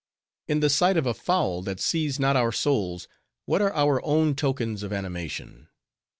In the sight of a fowl, that sees not our souls, what are our own tokens of animation?